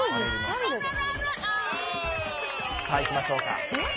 さあ、いきましょうか。